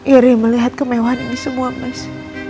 iri melihat kemewahan ini semua emas